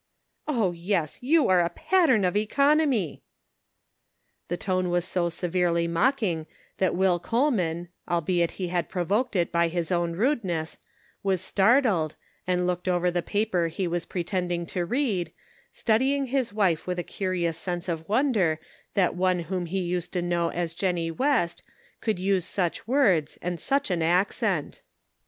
" Oh, yes ! you are a pattern of economy." The tone was so severely mocking that Will Coleman, albeit he had provoked it by his own rudeness, was startled, and looked over 418 The Pocket Measure. the paper he was pretending to read, studying his wife with a curious sense of wonder that one whom he used to know as Jennie West could use such words and such an accent.